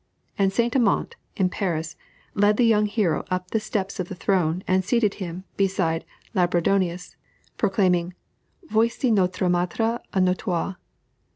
And Saint Amant, in Paris, led the young hero up the steps of the throne, and seated him beside Labourdonnais, proclaiming, "Voiçi notre maitre à nous tous."